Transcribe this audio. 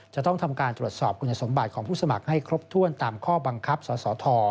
จะต้องทำการตรวจสอบคุณสมบัติของผู้สมัครให้ครบถ้วนตามข้อบังคับสสท